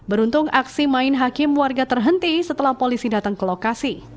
beruntung aksi main hakim warga terhenti setelah polisi datang ke lokasi